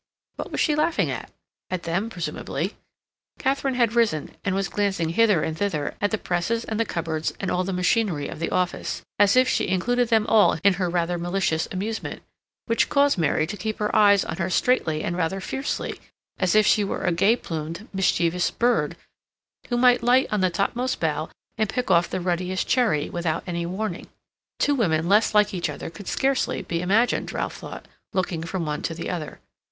What was she laughing at? At them, presumably. Katharine had risen, and was glancing hither and thither, at the presses and the cupboards, and all the machinery of the office, as if she included them all in her rather malicious amusement, which caused Mary to keep her eyes on her straightly and rather fiercely, as if she were a gay plumed, mischievous bird, who might light on the topmost bough and pick off the ruddiest cherry, without any warning. Two women less like each other could scarcely be imagined, Ralph thought, looking from one to the other.